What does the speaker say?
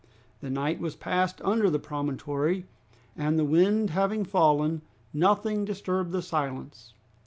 The night was passed under the promontory, and the wind having fallen, nothing disturbed the silence.